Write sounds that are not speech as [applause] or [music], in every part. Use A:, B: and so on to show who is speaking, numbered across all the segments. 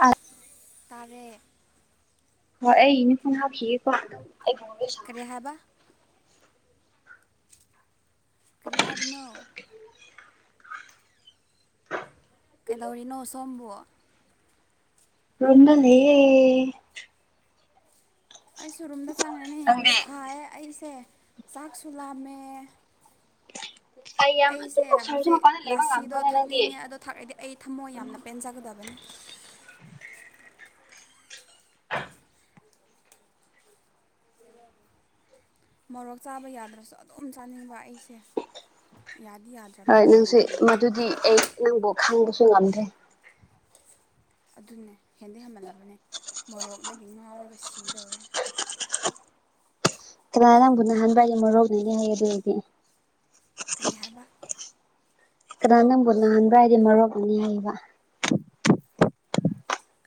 A: ꯑ
B: ꯇꯔꯦ
A: ꯍꯣꯏ ꯑꯩ ꯌꯅꯤꯐꯣꯔꯝ ꯍꯥ ꯍꯤꯌꯦꯀꯣꯗ ꯑꯩ ꯆ
B: ꯀꯔꯤ ꯍꯥꯏꯕ ꯀꯔꯤꯍꯥꯕꯤꯅꯣ ꯀꯩꯗꯧꯔꯤꯅꯣ ꯁꯣꯝꯝꯕ
A: ꯔꯣꯝꯕ ꯂꯩꯦ
B: ꯑꯩꯁꯨ ꯔꯨꯝꯗ ꯆꯪꯉꯅꯤꯅꯦ ꯌꯥꯝ
A: ꯅꯪꯗꯤ
B: ꯁꯥꯏ ꯑꯩꯁꯦ ꯆꯥꯛꯁꯨ ꯂꯥꯝꯃꯦ
A: ꯑꯩ ꯌꯥꯝ
B: ꯑꯩꯁꯦ
A: ꯑꯗꯨꯃꯛ ꯁꯥꯔꯁꯨ ꯃꯄꯥꯟꯗ
B: ꯍꯧꯖꯤꯛ
A: ꯂꯩꯕ
B: ꯂꯥꯁꯤꯗꯣ
A: ꯉꯝꯕ꯭ꯔꯣꯅꯦ ꯅꯪꯗꯤ
B: ꯊꯛꯅꯤꯡꯉꯦ ꯑꯗꯣ ꯊꯥꯛꯗꯤ ꯑꯩ ꯊꯝꯃꯣꯏ ꯌꯥꯝꯅ ꯄꯦꯟꯖꯒꯗꯕꯅꯤ ꯃꯣꯔꯣꯛ ꯆꯥꯕ ꯌꯥꯗ꯭ꯔꯁꯨ ꯑꯗꯨꯝ ꯆꯥꯅꯤꯡꯕ ꯑꯩꯁꯦ ꯌꯥꯗꯤ ꯌꯥꯗ꯭ꯔꯕꯅꯦ
A: ꯍꯣꯏ
B: ꯂꯝ
A: ꯅꯪꯁ
B: ꯍꯦꯟꯃꯟꯕꯒꯤ
A: ꯃꯗꯨꯗꯤ ꯑꯩ ꯅꯪꯕꯨ ꯈꯪꯕꯁꯨ ꯉꯝꯗ꯭ꯔꯦ
B: [unintelligible] ꯑꯗꯨꯅꯦ ꯍꯦꯟꯗꯤꯩ ꯍꯃꯜꯂꯕꯅꯦ ꯃꯣꯔꯣꯛꯗꯒꯤ ꯉꯥꯎꯔꯒ ꯁꯤꯗꯧꯔꯦ
A: ꯀꯅꯥ ꯅ ꯅꯪꯕꯨ ꯅꯅꯥꯍꯟꯕꯏꯒ ꯃꯔꯣꯛꯅꯅꯤ ꯍꯥꯏꯌꯦ ꯑꯗꯨ ꯑꯣꯏꯗꯤ
B: ꯀꯔꯤ ꯍꯥꯏꯕ
A: ꯀꯗꯥ ꯅꯪꯕꯨ ꯂꯥꯟꯕ꯭ꯔ ꯍꯥꯏꯗꯤ ꯃꯔꯨꯕꯅꯤ ꯍꯥꯏꯌꯦꯕ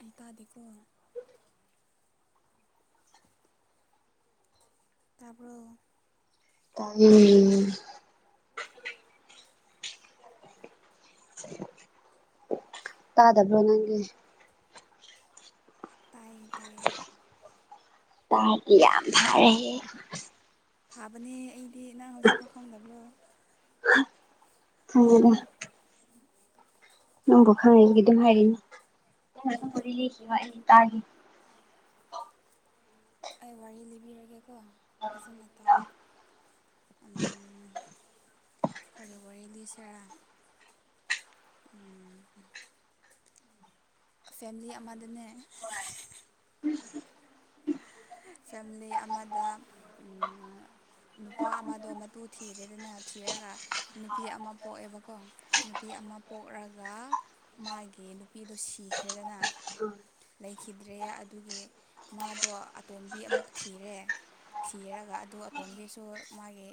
B: ꯑꯇꯥꯗꯤꯀ ꯇꯥꯔꯕꯔ
A: ꯇꯥꯏ ꯇꯥꯗꯕ꯭ꯔꯣ ꯅꯪꯒꯦ
B: ꯇꯥꯏ ꯇꯥꯏꯦ
A: ꯇꯥꯗꯤ ꯌꯥꯝꯚꯔ ꯍꯦ
B: ꯐꯥꯕꯅꯦ ꯑꯩꯗꯤ ꯅꯪ ꯍꯧꯖꯤꯛ ꯐꯥꯎ ꯐꯪꯗꯕ꯭ꯔꯣ
A: ꯍꯗ ꯅꯪꯕꯨ ꯈꯪꯅꯒꯤ ꯑꯗꯨꯝ ꯍꯥꯏꯔꯤꯅꯤ ꯑꯩ ꯇꯒꯦ
B: [unintelligible] ꯑꯩ ꯋꯥꯔꯤ ꯂꯤꯕꯤꯔꯒꯦ ꯀꯣ ꯐꯖꯅ ꯇꯥꯎꯋꯦ ꯐꯔꯕꯔꯤꯗꯤ ꯁꯔ ꯎ ꯐꯦꯃꯤꯂꯤ ꯑꯃꯗꯅꯦ ꯐꯦꯃꯤꯂꯤ ꯑꯃꯗ ꯅꯨꯄꯥ ꯑꯃꯗꯣ ꯃꯇꯨ ꯊꯤꯔꯦꯗꯅ ꯊꯤꯔꯒ ꯅꯨꯄꯤ ꯑꯃ ꯄꯣꯛꯑꯦꯕꯀꯣ ꯑꯩ ꯑꯃ ꯄꯣꯛꯑꯒ ꯃꯥꯒꯤ ꯅꯨꯄꯤꯗꯨꯣ ꯁꯤꯈ꯭ꯔꯦꯗꯅ ꯂꯩꯈꯤꯗ꯭ꯔꯦ ꯑꯗꯨꯒꯤ ꯃꯥꯗꯣ ꯑꯇꯣꯝꯕꯤ ꯑꯃꯨꯛ ꯊꯤꯔꯦ ꯊꯤꯔꯒ ꯑꯗꯨ ꯑꯇꯣꯝꯒꯤꯁꯨ ꯃꯥꯒꯤ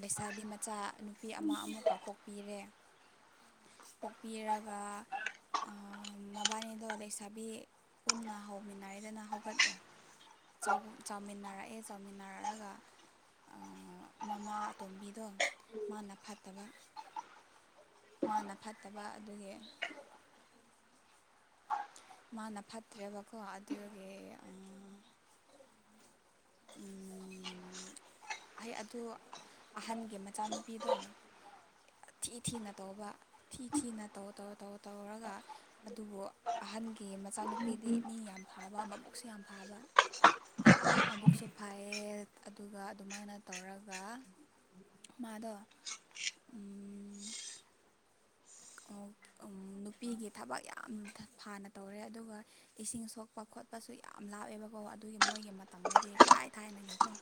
B: ꯂꯩꯁꯥꯕꯤ ꯃꯆꯥ ꯅꯨꯄꯤ ꯑꯃ ꯑꯃꯨꯛ ꯀꯞ ꯄꯣꯛꯄꯤꯔꯦ ꯄꯣꯛꯄꯤꯔꯒ ꯃꯕꯥꯅꯤꯗꯣ ꯂꯩꯁꯥꯕꯤ ꯄꯨꯟꯅ ꯍꯧꯃꯤꯟꯅꯔꯦꯗꯅ ꯍꯧꯒꯠꯂꯦ ꯆꯧꯃꯤꯟ ꯅꯥꯔꯛꯑꯦ ꯆꯧꯃꯤꯟ ꯅꯥꯔꯛꯑꯒ ꯃꯃꯥ ꯑꯇꯣꯝꯕꯤꯗꯣ ꯃꯥꯅ ꯐꯠꯇꯕ ꯃꯥꯅ ꯐꯠꯇꯕ ꯑꯗꯨꯒꯤ ꯃꯥꯅ ꯐꯠꯇ꯭ꯔꯦꯕꯀꯣ ꯑꯗꯨꯒꯤ ꯎꯝ ꯑꯩ ꯑꯗꯨ ꯑꯍꯟꯒꯤ ꯃꯆꯥꯅꯨꯄꯤꯗꯣ ꯊꯤ ꯊꯤꯅ ꯇꯧꯕ ꯊꯤ ꯊꯤꯅ ꯇꯧ ꯇꯧꯔ ꯇꯧ ꯇꯧꯔꯒ ꯑꯗꯨꯕꯨ ꯑꯍꯟꯒꯤ ꯃꯆꯥꯅꯨꯄꯤꯗꯤ ꯃꯤ ꯌꯥꯝ ꯐꯥꯕ ꯚꯕꯨꯛꯁꯨ ꯌꯥꯝ ꯐꯥꯕ ꯃꯕꯨꯛꯁꯨ ꯐꯩꯌꯦ ꯑꯗꯨꯒ ꯑꯗꯨꯃꯥꯏꯅ ꯇꯧꯔꯒ ꯃꯥꯗꯣ ꯅꯨꯄꯤꯒꯤ ꯊꯕꯛ ꯌꯥꯝ ꯐꯥꯅ ꯇꯧꯔꯦ ꯑꯗꯨꯒ ꯏꯁꯤꯡ ꯁꯣꯛꯄ ꯈꯠ ꯈꯣꯠꯄꯁꯨ ꯌꯥꯝ ꯂꯥꯞꯑꯦꯕꯀꯣ ꯑꯗꯨꯒꯤ ꯃꯣꯏꯒꯤ ꯃꯇꯝꯗꯗꯤ ꯊꯥꯏ ꯊꯥꯏꯅꯒꯤꯀꯣ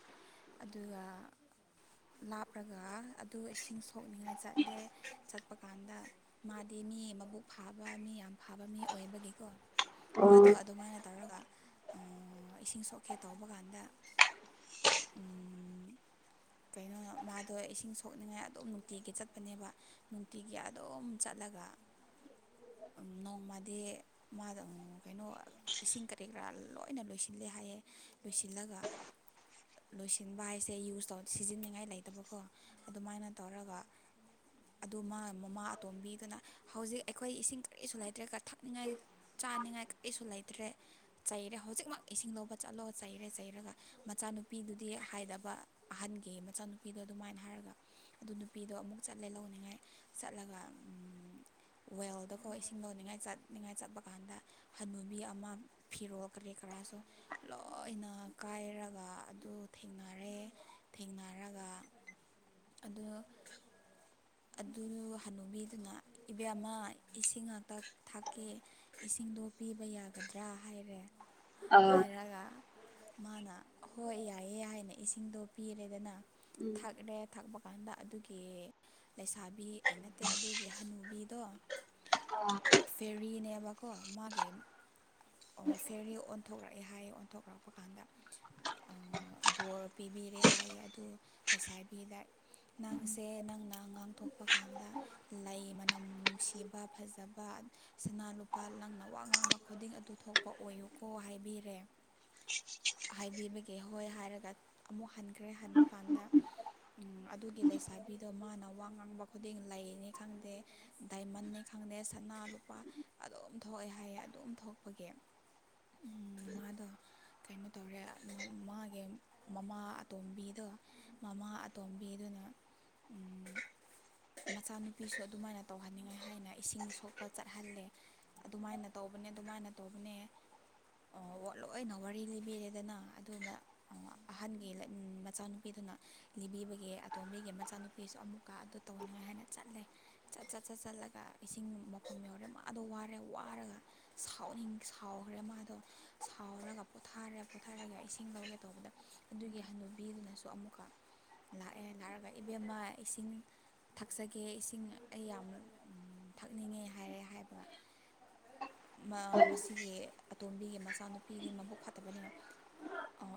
B: ꯑꯗꯨꯒ ꯂꯥꯞꯂꯒ ꯑꯗꯨ ꯏꯁꯤꯡ ꯁꯣꯛꯅꯤꯡꯉꯥꯏ ꯆꯠꯂꯦ ꯆꯠꯄ ꯀꯥꯟꯗ ꯃꯥꯗꯤ ꯃꯤ ꯃꯕꯨꯛ ꯐꯥꯕ ꯃꯤ ꯌꯥꯝ ꯐꯥꯕ ꯃꯤ ꯑꯣꯏꯕꯒꯤꯀꯣ
A: ꯑꯣ
B: ꯃꯥꯗꯣ ꯑꯗꯨꯃꯥꯏꯅ ꯇꯧꯔꯒ ꯏꯁꯤꯡ ꯁꯣꯛꯀꯦ ꯇꯧꯕ ꯀꯥꯟꯗ ꯎ ꯀꯩꯅꯣ ꯃꯥꯗꯣ ꯏꯁꯤꯡ ꯁꯣꯛꯅꯤꯡꯉꯥꯏ ꯑꯗꯨꯝ ꯅꯨꯡꯇꯤꯒꯤ ꯆꯠꯄꯅꯦꯕ ꯅꯨꯡꯇꯤꯒꯤ ꯑꯗꯨꯝ ꯆꯠꯂꯒ ꯅꯣꯡꯃꯗꯤ ꯃꯥ ꯀꯩꯅꯣ ꯏꯁꯤꯡ ꯀꯔꯤ ꯀꯔꯥ ꯂꯣꯏ ꯂꯣꯏꯅ ꯂꯣꯏꯁꯤꯜꯂꯦ ꯍꯥꯏꯌꯦ ꯂꯣꯏꯁꯤꯜꯂꯒ ꯂꯣꯏꯁꯤꯟꯕ ꯍꯥꯏꯁꯦ ꯌꯨꯁ ꯁꯤꯖꯤꯟꯅꯅꯤꯡꯉꯥꯏ ꯂꯩꯇꯕꯀꯣ ꯑꯗꯨꯃꯥꯏꯅ ꯇꯧꯔꯒ ꯑꯗꯨ ꯃꯃꯥ ꯑꯇꯣꯝꯕꯤꯗꯨꯅ ꯍꯧꯖꯤꯛ ꯑꯩꯈꯣꯏ ꯏꯁꯤꯡ ꯀꯔꯤꯁꯨ ꯂꯩꯇ꯭ꯔꯦꯒ ꯊꯛꯅꯤꯡꯉꯥꯏ ꯆꯥꯅꯤꯡꯉꯥꯏ ꯀ ꯀꯁꯨ ꯂꯩꯇ꯭ꯔꯦ ꯆꯩꯔꯦ ꯍꯧꯖꯤꯛꯃꯛ ꯏꯁꯤꯡ ꯂꯧꯕ ꯆꯠꯂꯣꯒ ꯆꯩꯔꯦ ꯆꯩꯔꯒ ꯃꯆꯥ ꯃꯆꯥꯅꯨꯄꯤꯗꯨꯗꯤ ꯍꯥꯏꯗꯕ ꯑꯍꯟꯒꯤ ꯃꯆꯥꯅꯨꯄꯤꯗꯣ ꯑꯗꯨꯃꯥꯏꯅ ꯍꯥꯏꯔꯒ ꯑꯗꯨ ꯅꯨꯄꯤꯗꯣ ꯑꯃꯨꯛ ꯆꯠꯂꯦ ꯂꯧꯅꯤꯡꯉꯥꯏ ꯆꯠꯂꯒ ꯋꯦꯜꯗꯀꯣ ꯏꯁꯤꯡ ꯂꯧꯧꯅꯤꯡꯉꯥꯏ ꯆꯠꯅꯤꯡꯉꯥꯏ ꯆꯠꯄ ꯀꯥꯟꯗ ꯍꯅꯨꯕꯤ ꯑꯃ ꯐꯤꯔꯣꯜ ꯀ ꯈꯔꯁꯨ ꯂꯣꯏꯅ ꯀꯥꯏꯔꯒ ꯑꯗꯨ ꯊꯦꯡꯅꯔꯦ ꯊꯦꯡꯅꯔꯒ ꯑꯗꯨ
A: [unintelligible]
B: ꯑꯗꯨ ꯍꯟꯅꯨꯕꯤꯗꯨꯅ ꯏꯕꯦꯝꯃ ꯏꯁꯤꯡ ꯉꯥꯛꯇ ꯊꯥꯛꯀꯦ ꯏꯁꯤꯡꯗꯣ ꯄꯤꯕ ꯌꯥꯒꯗ꯭ꯔꯥ ꯍꯥꯏꯔꯦ ꯍꯥꯏꯔꯒ ꯃꯥꯅ ꯍꯣꯏ ꯌꯥꯏꯌꯦ ꯌꯥꯅ ꯏꯁꯤꯡꯗꯣ ꯄꯤꯔꯦꯗꯅ ꯊꯛꯔꯦ ꯊꯛꯄ ꯀꯥꯟꯗ ꯑꯗꯨꯒꯤ ꯂꯩꯁꯥꯕꯤ ꯅꯠꯇꯦ ꯑꯗꯨꯒꯤ ꯍꯅꯨꯕꯤꯗꯣ ꯐꯦꯔꯤꯔꯤꯅꯦꯕ ꯃꯥꯒꯤꯦ ꯑꯣ ꯐꯦꯔꯤ ꯑꯣꯟꯊꯣꯔꯛꯑꯦ ꯍꯥꯏꯌꯦ ꯑꯣꯟꯊꯣꯛꯂꯛꯄ ꯀꯥꯟꯗ ꯕꯣꯔ ꯄꯤꯕꯤꯔꯦ ꯍꯥꯏꯌꯦ ꯑꯗꯨ ꯂꯩꯁꯥꯏꯕꯤꯗ ꯅꯪꯁꯦ ꯅꯪꯅ ꯉꯥꯡꯊꯣꯛꯄ ꯀꯥꯟꯗ ꯂꯩ ꯃꯅꯝ ꯅꯨꯡꯁꯤꯕ ꯐꯖꯕ ꯁꯅꯥ ꯂꯨꯄꯥ ꯂꯪꯅ ꯋꯥ ꯉꯥꯡꯕ ꯈꯨꯗꯤꯡ ꯑꯗꯨ ꯊꯣꯛꯄ ꯑꯣꯏꯌꯨꯀꯣ ꯍꯥꯏꯕꯤꯔꯦ
A: [unintelligible]
B: ꯍꯥꯏꯕꯤꯕꯒꯦ ꯍꯣꯏ ꯍꯥꯏꯔꯒ ꯑꯃꯨꯛ ꯍꯟꯈ꯭ꯔꯦ ꯍꯟꯕ ꯀꯥꯟꯗ ꯑꯗꯨꯒꯤ ꯂꯩꯁꯥꯕꯤꯗꯣ ꯃꯥꯅ ꯋꯥ ꯉꯥꯡꯕ ꯈꯨꯗꯤꯡ ꯂꯩꯅꯤ ꯈꯪꯗꯦ ꯗꯥꯏꯃꯟꯅꯦ ꯈꯪꯗꯦ ꯈꯪꯗꯦ ꯁꯅꯥ ꯂꯨꯄꯥ ꯑꯗꯨꯝ ꯊꯣꯛꯑꯦ ꯍꯥꯏꯌꯦ ꯑꯗꯨꯝ ꯊꯣꯛꯄꯒꯤ ꯃꯥꯗ ꯀꯩꯅꯣ ꯇꯧꯔꯦ ꯃꯥꯒꯤ ꯃꯃꯥ ꯑꯇꯣꯝꯕꯤꯗꯣ ꯃꯃꯥ ꯑꯇꯣꯝꯕꯤꯗꯨꯅ ꯎ ꯃꯆꯥꯅꯨꯄꯤꯁꯨ ꯑꯗꯨꯃꯥꯏꯅ ꯇꯧꯍꯟꯅꯤꯡꯉꯥꯏ ꯍꯥꯏꯅ ꯏꯁꯤꯡ ꯁꯣꯛꯄ ꯆꯠꯍꯜꯂꯦ ꯑꯗꯨꯃꯥꯏꯅ ꯇꯧꯕꯅꯦ ꯑꯗꯨꯃꯥꯏꯅ ꯇꯧꯕꯅꯦ ꯂꯣꯏꯅ ꯋꯥꯔꯤ ꯂꯤꯕꯤꯔꯦꯗꯅ ꯑꯗꯨ ꯑꯍꯟꯒꯤ ꯃꯆꯥꯅꯨꯄꯤ ꯑꯗꯨꯅ ꯂꯤꯕꯤꯕꯒꯤ ꯑꯇꯣꯝꯕꯤꯒꯤ ꯃꯆꯥꯅꯨꯄꯤꯁꯨ ꯑꯃꯨꯛꯀ ꯑꯗꯨ ꯇꯧꯅꯤꯡꯉꯥꯏ ꯍꯥꯏꯅ ꯆꯠꯂꯦ ꯆꯠ ꯆꯠ ꯆꯠ ꯆꯠꯂꯒ ꯏꯁꯤꯡ ꯃꯥꯎꯐꯝ ꯌꯧꯔꯦ ꯃꯥꯗꯣ ꯋꯥꯔꯦ ꯋꯥꯔꯒ ꯁꯥꯎꯅꯤꯡ ꯁꯥꯎꯈ꯭ꯔꯦ ꯃꯥꯗꯣ ꯁꯥꯎꯔꯒ ꯄꯣꯊꯥꯔꯦ ꯄꯣꯊꯥꯔꯒ ꯏꯁꯤꯡ ꯂꯧꯒꯦ ꯇꯧꯕꯗ ꯑꯗꯨꯒꯤ ꯍꯅꯨꯕꯤꯗꯨꯅꯁꯨ ꯑꯃꯨꯛꯀ ꯂꯥꯛꯑꯦ ꯂꯥꯛꯑꯒ ꯏꯕꯦꯝꯃ ꯏꯁꯤꯡ ꯊꯛꯆꯒꯦ ꯏꯁꯤꯡ ꯏꯁꯤꯡ ꯑꯩ ꯌꯥꯝ ꯊꯛꯅꯤꯡꯉꯦ ꯍꯥꯏꯔꯦ ꯍꯥꯏꯕꯒ ꯉꯁꯤꯒꯤ ꯑꯇꯣꯝꯕꯤꯒꯤ ꯃꯆꯥꯅꯨꯄꯤꯒꯤ ꯃꯕꯨꯛ ꯐꯠꯇꯕꯅꯤꯅ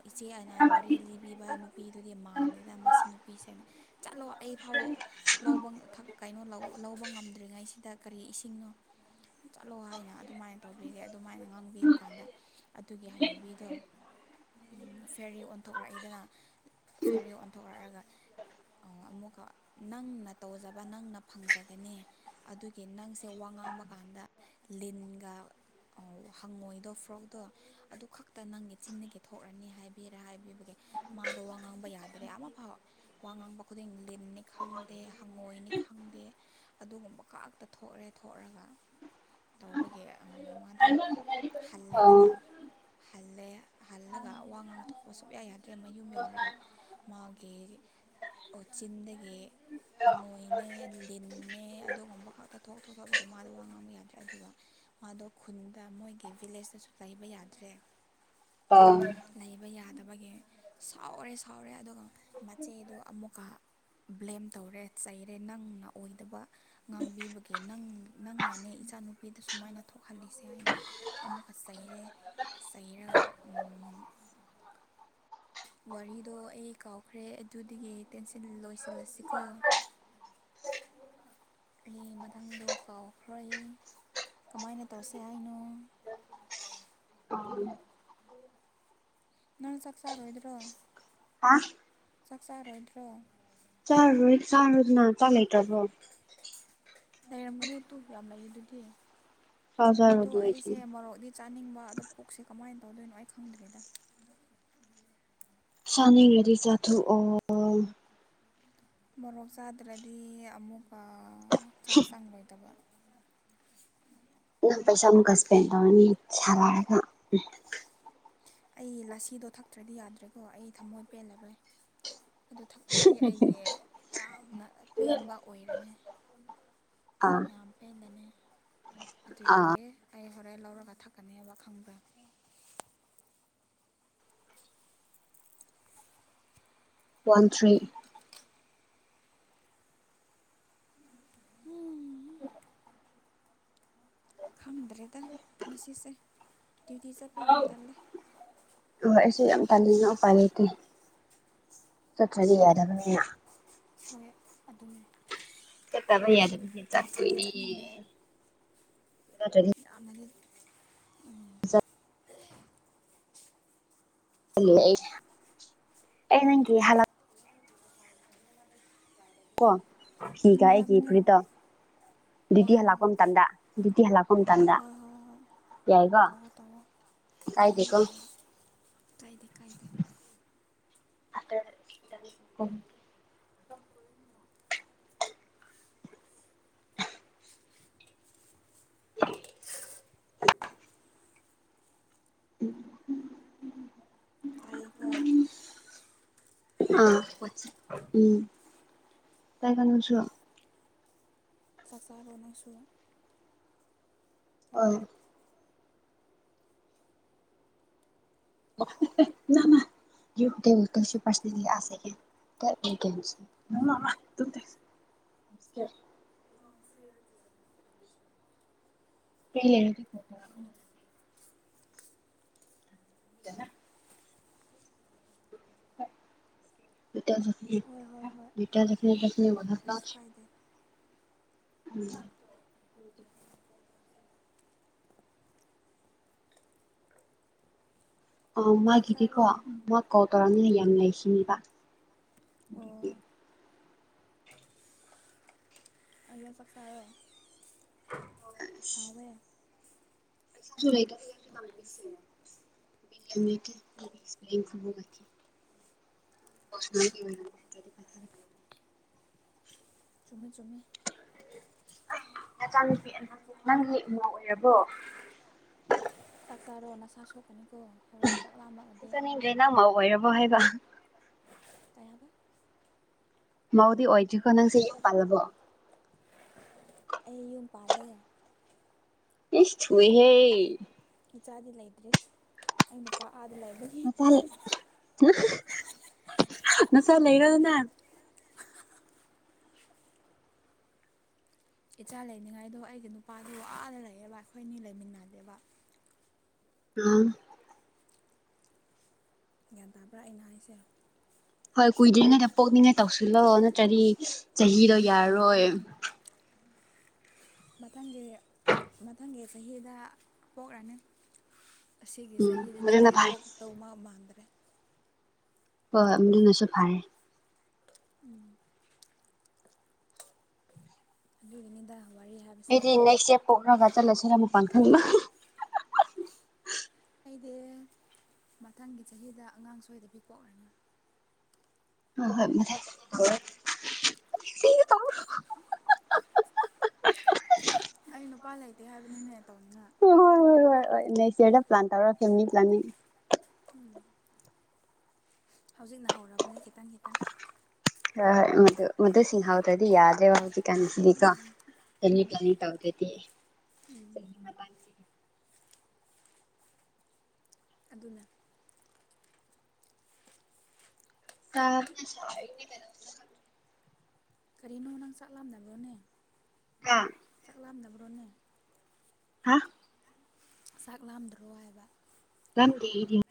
B: ꯏꯆꯦ ꯑꯅꯥ
A: ꯑꯥ
B: ꯋꯥꯔꯤ ꯂꯤꯕꯤꯕ ꯅꯨ ꯅꯨꯄꯤꯗꯨꯒꯤ ꯃꯥꯟꯦꯗ ꯃꯁꯤ ꯅꯨꯄꯤꯁꯦꯅꯦ ꯆꯠꯂꯣ ꯑꯩ ꯐꯥꯎ ꯂꯧꯕ ꯀꯩꯅꯣ ꯂꯧꯑꯣ ꯂꯧꯕ ꯉꯝꯗ꯭ꯔꯤꯉꯩꯁꯤꯗ ꯀꯔꯤ ꯏꯁꯤꯡꯅꯣ ꯆꯠꯂꯣ ꯍꯥꯏꯅ ꯑꯗꯨꯃꯥꯏꯅ ꯇꯧꯕꯤꯔꯦ ꯑꯗꯨꯃꯥꯏꯅ ꯉꯥꯡꯕꯤꯕ ꯀꯥꯟꯗ ꯑꯗꯨꯒꯤ ꯍꯩꯅꯕꯤꯗꯣ ꯐꯦꯔꯤ ꯑꯣꯟꯊꯣꯔꯛꯏꯗꯅ ꯐꯦꯔꯤ ꯑꯣꯟꯊꯣꯔꯛꯑꯒ ꯑꯃꯨꯛꯀ ꯅꯪꯅ ꯇꯧꯖꯕ ꯅꯪꯅ ꯐꯪꯖꯒꯅꯤ ꯑꯗꯨꯒꯤ ꯅꯪꯁ ꯁꯦ ꯋꯥ ꯉꯥꯡꯕ ꯀꯥꯟꯗ ꯂꯤꯟ ꯍꯪꯉꯣꯏꯗꯣ ꯐ꯭ꯔꯣꯛꯇꯣ ꯑꯗꯨ ꯈꯛꯇ ꯅꯪꯒꯤ ꯆꯤꯟꯅꯒꯦ ꯊꯣꯛꯛꯅꯤ ꯍꯥꯏꯕ ꯄꯤꯔꯦ ꯍꯥꯏꯕꯤꯕꯒꯦ ꯃꯥꯗꯣ ꯋꯥ ꯉꯥꯡꯕ ꯌꯥꯗ꯭ꯔꯦ ꯑꯃ ꯐꯥꯎꯦ ꯋꯥ ꯉꯥꯡꯕ ꯈꯨꯗꯤꯡ ꯂꯤꯟꯅꯤ ꯈꯪꯗꯦ ꯍꯪꯉꯣꯏꯅꯤ ꯈꯪꯗꯦ ꯑꯗꯨꯒꯨꯝꯕ ꯀꯥꯛꯇ ꯊꯣꯛꯑꯦ ꯊꯣꯛꯂꯒ ꯇꯧꯕꯒꯤ ꯃꯥꯗꯣ ꯍꯜꯂꯦꯗꯅ
A: [unintelligible]
B: ꯍꯜꯂꯦ ꯍꯜꯂꯒ ꯑꯋꯥ ꯉꯥꯡꯊꯣꯛꯄ ꯁꯨꯛꯌꯥ ꯌꯥꯗ꯭ꯔꯦ ꯃꯌꯨꯝ ꯌꯧꯔꯒ ꯃꯥꯒꯤ ꯑꯣ ꯆꯗꯒꯤ ꯍꯪꯉꯣꯏꯅꯦ ꯂꯤꯟꯅꯦ ꯑꯗꯨꯒꯨꯝꯕ ꯈꯛꯇ ꯊꯣꯛ ꯊꯣꯛꯣꯛ ꯊꯣꯛꯣꯛꯄꯗꯤ ꯃꯥꯗ ꯋꯥ ꯉꯥꯡꯕ ꯌꯥꯗ꯭ꯔꯦ ꯑꯗꯨꯒ ꯃꯥꯗꯣ ꯈꯨꯟꯗ ꯃꯣꯏꯒꯤ ꯚꯤꯂꯦꯖꯇꯁꯨ ꯂꯩꯕ ꯌꯥꯗ꯭ꯔꯦ
A: ꯑꯥ
B: ꯠꯇꯕꯒꯤ ꯁꯥꯎꯔꯦ ꯁꯥꯎꯔꯦ ꯑꯗꯨꯒ ꯃꯆꯦꯗꯣ ꯑꯃꯨꯛꯀ ꯕ꯭ꯂꯦꯝ ꯇꯧꯔꯦ ꯆꯩꯔꯦ ꯅꯪꯅ ꯑꯣꯏꯗꯕ ꯉꯥꯡꯕꯤꯕꯒꯤ ꯅ ꯅꯪꯅꯅꯦ ꯏꯆꯥ ꯅꯨꯨꯄꯤꯗ ꯁꯨꯃꯥꯏꯅ ꯊꯣꯛꯍꯜꯂꯤꯁꯦ ꯍꯥꯏꯅ ꯑꯃꯨꯛꯀ ꯆꯩꯔꯦ ꯆꯩꯔꯒ ꯎꯝ ꯋꯥꯔꯤꯗꯣ ꯑꯩ ꯀꯥꯎꯈ꯭ꯔꯦ ꯑꯗꯨꯗꯒꯤ ꯇꯦꯟꯁꯤꯟ ꯂꯣꯏꯁꯤꯜꯂꯁꯤꯀꯣ ꯎ ꯑꯩ ꯃꯊꯪꯗ ꯀꯥꯎꯈ꯭ꯔꯏ ꯀꯃꯥꯏꯅ ꯇꯧꯁꯤ ꯍꯥꯏꯅꯣ
A: ꯑ
B: ꯅꯪ ꯆꯛꯁꯥꯔ ꯑꯣꯏꯣꯏꯗ꯭ꯔꯣ
A: ꯑ
B: ꯆꯥꯛ ꯆꯥꯔꯣꯏꯗ꯭ꯔꯣ
A: ꯆꯔꯨ ꯆꯔꯨ ꯅ ꯆꯂ ꯆꯁꯨꯣ
B: ꯂꯩꯔꯝꯒꯅꯤ ꯇꯨ ꯌꯥꯝ ꯂꯩꯌꯦ ꯑꯗꯨꯗꯤ
A: ꯍꯖꯔ
B: ꯑꯗꯣ ꯑꯩꯁꯦ
A: ꯃꯗꯤ
B: ꯃꯣꯔꯣꯛꯗꯤ ꯆꯥꯅꯤꯡꯕ ꯑꯗꯣ ꯄꯨꯛꯁꯦ ꯀꯃꯥꯏꯅ ꯇꯧꯗꯣꯏꯅꯣ ꯑꯩ ꯈꯪꯗ꯭ꯔꯤꯗ
A: ꯁꯥꯟꯅꯈꯗꯤ ꯆꯥꯊꯣꯛꯑꯣ
B: ꯃꯣꯔꯣꯛ ꯆꯥꯗ꯭ꯔꯗꯤ ꯑꯃꯨꯛ ꯆꯥꯛ ꯆꯥꯡꯂꯣꯏꯗꯕ
A: ꯅꯪ ꯄꯩꯁꯥ ꯑꯃꯨꯛ ꯁꯄꯦꯟ ꯇꯧꯅꯤ ꯆꯂꯑꯒ
B: ꯑꯩ ꯂꯥꯁꯤꯗꯣ ꯊꯛꯇ꯭ꯔꯗꯤ ꯌꯥꯗ꯭ꯔꯦꯀꯣ ꯑꯩ ꯊꯃꯣꯏ ꯄꯦꯜꯂꯔꯣꯏ ꯑꯗꯨ ꯊꯛꯂꯔꯗꯤ ꯑꯩꯒꯤ ꯌꯥꯝꯅ ꯄꯦꯟꯕ ꯑꯣꯏꯔꯅꯤ
A: ꯑꯥ
B: ꯌꯥꯝꯄꯦꯗꯅꯦ ꯑꯗꯨꯒꯤ ꯑꯩ ꯍꯣꯔꯦꯟ ꯂꯧꯔꯒ ꯊꯛꯀꯅꯦꯕ ꯈꯪꯕ꯭ꯔꯥ
A: ꯋꯥꯟ ꯊ꯭ꯔꯤ ꯎꯝ
B: ꯈꯝꯗ꯭ꯔꯦꯗ ꯄꯨꯟꯁꯤꯁꯦ ꯭ꯌꯨꯗꯤ ꯆꯠꯄ ꯌꯥꯝ ꯇꯂꯦ
A: ꯍꯣꯏ ꯑꯩꯁꯨ ꯌꯥꯝ ꯇꯅꯄꯔ ꯂꯩꯇ ꯆꯇ꯭ꯔ ꯌꯥꯔꯅꯦ
B: ꯍꯣꯏ ꯑꯗꯨꯅꯦ
A: ꯆꯠꯇꯩꯌꯥ ꯆꯥꯛ
B: ꯆꯠꯗꯤ ꯆꯠꯅꯤꯡꯗꯦ ꯃꯥꯅꯤ ꯎ
A: ꯑꯩ ꯅꯪꯒꯤ ꯍꯂ ꯣ
B: ꯀꯔꯤ
A: ꯐꯤꯒꯥꯏꯒꯤ
B: ꯍꯥꯏꯕꯅꯣ
A: ꯄ꯭ꯔꯤꯇꯥ ꯗꯤꯇꯤ
B: ꯍꯣꯏ
A: ꯍꯥꯂ
B: ꯍꯣꯏ
A: ꯀꯝ ꯇꯥꯟꯗ ꯗꯤꯇꯤ ꯍꯥꯂ ꯀꯝ ꯇꯥꯟꯗꯥ
B: ꯍꯣꯏ ꯍꯣꯏ ꯍꯣꯏ ꯍꯣꯏ
A: ꯌꯥꯏꯒ
B: ꯇꯧꯋꯣ ꯇꯧꯋꯣ ꯌꯥꯏꯌꯦ ꯌꯥꯏꯌꯦ ꯀꯥꯏꯗꯦ ꯀꯥꯏꯗ
A: ꯑ [unintelligible] ꯎꯝ
B: ꯑꯣ
A: ꯑ ꯎꯝ ꯇꯥꯏ ꯀꯩꯅꯁꯨ
B: ꯆꯥꯛꯆꯥꯥꯔꯣꯅꯁꯨ
A: ꯑ ꯌꯗ ꯇꯁꯨ ꯄꯔꯁ ꯑꯁꯦ ꯀ [unintelligible] ꯀ ꯀꯅ ꯇꯇ ꯑꯣꯥ
B: ꯐꯁꯨ ꯀꯥꯏꯗꯦ
A: ꯎꯝ ꯑ
B: ꯆꯥꯛ
A: ꯃꯥꯒꯤꯗꯤꯀꯣ
B: ꯆꯥꯔꯣ
A: ꯃꯥ ꯀꯣꯜ ꯇꯧꯔꯝꯅꯤꯅ ꯌꯥꯝ ꯂꯩꯈꯤꯅꯦꯕ
B: ꯑꯣ ꯑ ꯆꯀꯥꯦ
A: ꯍ ꯨꯂꯥꯏ ꯀꯁ [inaudible] ꯗꯤ
B: ꯆꯨꯝꯃꯦ ꯆꯨꯝꯃꯦ
A: ꯅꯆꯥꯅꯨꯄꯤ ꯑꯕꯨ ꯅꯪꯒꯤ ꯏꯃꯥ ꯑꯣꯏꯔꯕꯣ
B: ꯇꯥꯛꯇꯥꯔꯣ ꯅꯁꯥ ꯁꯣꯛꯀꯅꯤꯀꯣ ꯍꯣꯔꯦꯟ ꯆꯥꯛꯂꯥꯃꯒꯗꯤ
A: ꯋꯥ ꯃꯥꯎꯗꯤ ꯋꯥꯗ ꯈꯣ ꯅꯪꯁ ꯄꯜꯂꯕꯣ
B: ꯑꯩ ꯌꯨꯝ ꯄꯥꯜꯂꯦ
A: ꯏꯁ ꯊꯨꯏꯍꯦ
B: ꯏꯆꯥꯗꯤ ꯂꯩꯇ꯭ꯔꯔꯤ ꯑꯩ ꯃꯄꯥ
A: ꯅꯁꯥ ꯅꯆꯥꯥ ꯂꯩꯔꯅ
B: ꯏꯆꯥ ꯂꯩꯅꯤꯡꯉꯥꯏꯗꯣ ꯑꯩꯒꯤ ꯅꯨꯄꯥꯗꯨ ꯋꯥꯅ ꯂꯩꯌꯦꯕ ꯑꯩꯈꯣꯏꯅꯤ ꯂꯩꯃꯤꯟꯅꯗꯦꯕ
A: ꯑꯝ
B: ꯒ꯭ꯌꯥꯟ ꯇꯥꯕ꯭ꯔꯥꯏꯅ ꯍꯥꯏꯁꯦ
A: ꯍꯣꯏ ꯀꯨꯏꯗ꯭ꯔꯤꯉꯩꯗ ꯄꯣꯛꯅꯤꯡꯉꯩ ꯇꯧꯁꯤꯜꯂꯣ ꯅꯠꯇ꯭ꯔꯗꯤ ꯆꯍꯤꯗꯣ ꯌꯥꯔꯔꯣꯏ
B: ꯃꯊꯪꯒꯤ ꯃꯊꯪꯒꯤ ꯆꯍꯤꯗ ꯄꯣꯛꯂꯅꯤ ꯑꯁꯤꯒꯤ
A: ꯎꯝ
B: ꯆꯍꯤꯗꯗꯤ
A: ꯃꯗꯨꯅ
B: ꯑꯩ
A: ꯐꯔꯦ
B: ꯄꯣꯛ ꯇꯧ ꯃꯥ ꯃꯥꯟꯗ꯭ꯔꯦ
A: ꯍꯣꯏ ꯍꯣꯏ ꯃꯔꯅꯁꯨ ꯐꯔꯦ
B: ꯎꯝ ꯑꯗꯨꯅꯤꯗ
A: ꯑꯩꯗꯤ ꯅꯦꯛꯁ ꯗꯦꯞ ꯄꯣꯛꯔꯒ ꯆꯠꯂꯁꯤꯅ ꯃꯛꯄꯥꯡꯈꯟꯕ
B: ꯗꯦ ꯃꯊꯪꯒꯤ ꯆꯍꯤꯗ ꯑꯉꯥꯡ ꯁꯣꯏꯗꯕꯤ ꯄꯣꯛꯔꯅ
A: ꯍ ꯍꯣꯏ ꯃ ꯍ
B: ꯎꯝ ꯑꯩ ꯅꯨꯄꯥ ꯂꯩꯇꯦ ꯍꯥꯏꯕꯅꯤꯅꯦ ꯇꯧꯅꯤꯅ
A: ꯍꯣꯏ ꯍꯣꯏ ꯍꯣꯏ ꯍꯣꯏ ꯅꯦꯛꯁ ꯏꯌꯥꯔꯗ ꯄ꯭ꯂꯥꯟ ꯇꯔ ꯐꯦꯅꯤ ꯄ꯭ꯂꯅꯤ
B: ꯎꯝ ꯍꯧꯖꯤꯛꯅ ꯍꯧꯔꯕꯅ ꯈꯤꯇꯪ ꯈꯤꯇꯪ
A: ꯍ ꯃ ꯃꯗ ꯁꯤꯁꯤꯡ ꯍꯥꯎꯗꯗꯤ ꯌꯥꯎꯗꯦ ꯍꯥꯎꯗꯤ ꯀꯥꯟꯁꯤꯀ ꯄ꯭ꯂ ꯇꯗꯦꯗꯤꯁꯤ
B: ꯎꯝ ꯑꯗꯨꯅ
A: ꯇ
B: ꯀꯔꯤꯅꯣ ꯅꯪ ꯆꯠꯂꯝꯥꯛꯑꯝꯗꯕꯅꯣꯅꯦ
A: ꯑ
B: ꯄꯕ꯭ꯔꯣꯅꯦ
A: ꯍꯥ
B: ꯆꯥꯛ ꯂꯥꯝꯗ꯭ꯔꯣ ꯍꯥꯏꯕ
A: ꯝ